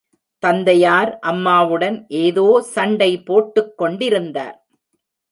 தந்தையார் அம்மாவுடன் ஏதோ சண்டை போட்டுக் கொண்டிருந்தார்.